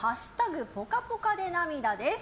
「＃ぽかぽかで涙」です。